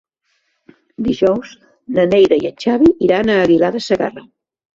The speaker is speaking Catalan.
Dijous na Neida i en Xavi iran a Aguilar de Segarra.